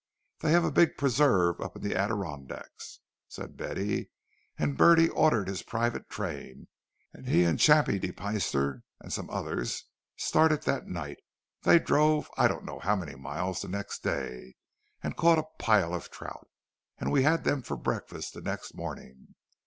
"They have a big preserve up in the Adirondacks," said Betty; "and Bertie ordered his private train, and he and Chappie de Peyster and some others started that night; they drove I don't know how many miles the next day, and caught a pile of trout—and we had them for breakfast the next morning!